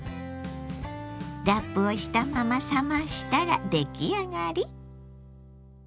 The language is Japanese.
ラップをしたまま冷ましたら出来上がり。